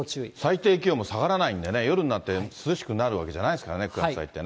最低気温も下がらないんでね、夜になって涼しくなるわけじゃないからね、９月入っても。。